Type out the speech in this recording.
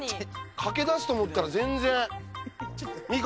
駆け出すと思ったら、全然。